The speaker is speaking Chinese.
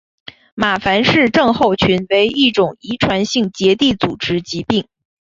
马凡氏症候群为一种遗传性结缔组织疾病。